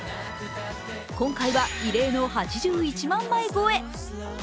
今回は異例の８１万枚超え。